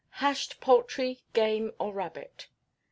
Hashed Poultry, Game, or Rabbit.